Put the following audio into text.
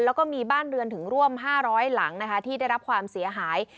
แล้วก็มีบ้านเรือนถึงร่วม๕๐๐หลังนะคะที่ได้รับความเสียหาย